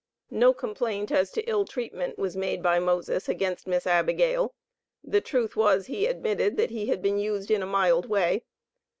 "No complaint" as to "ill treatment" was made by Moses against "Miss Abigail." The truth was, he admitted, that he had been used in a "mild way."